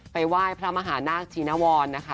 ไหว้พระมหานาคชีนวรนะคะ